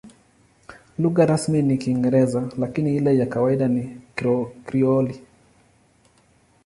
Lugha rasmi ni Kiingereza, lakini ile ya kawaida ni Krioli.